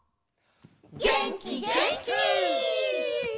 げんきげんき！